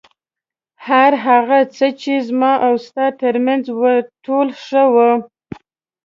هر هغه څه چې زما او ستا تر منځ و ټول ښه وو.